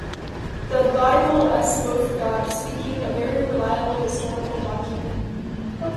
The bible s both God speaking and a very reliable historical document